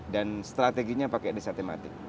dan strateginya pakai desa tematik